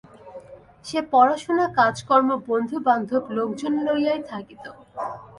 সে পড়াশুনা কাজকর্ম বন্ধুবান্ধব লোকজন লইয়াই থাকিত।